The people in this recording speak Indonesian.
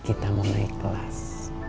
kita mau naik kelas